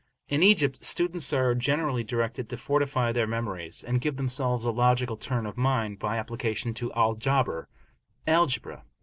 In Egypt, students are generally directed to fortify their memories, and give themselves a logical turn of mind, by application to Al Jabr (algebra).